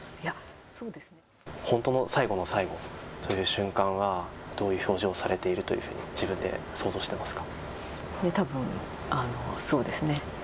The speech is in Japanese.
本当の最後の最後の瞬間はどういう表情をされているというふうに自分で想像していますか。